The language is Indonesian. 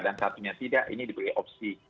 satunya tidak ini diberi opsi